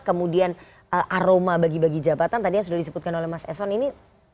kemudian aroma bagi bagi jabatan tadi yang sudah disebutkan oleh mas eson ini